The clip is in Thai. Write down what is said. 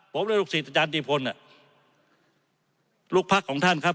ผมเรียกลูกศิษย์อาจารย์ดีพลน่ะลูกพรรคของท่านครับ